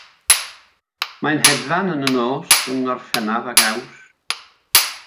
Mae'n hedfan yn y nos yng Ngorffennaf ac Awst.